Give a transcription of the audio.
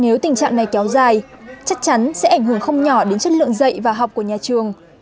nếu tình trạng này kéo dài chắc chắn sẽ ảnh hưởng không nhỏ đến chất lượng dạy và học của nhà trường